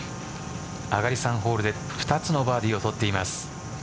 上がり３ホールで２つのバーディーを取っています。